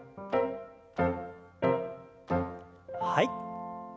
はい。